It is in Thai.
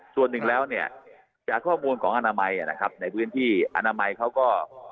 ส่วนหนึ่งแล้วเนี่ยจากข้อมูลของอนามัยนะครับในพื้นที่อนามัยเขาก็